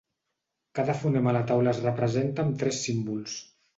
Cada fonema a la taula es representa amb tres símbols.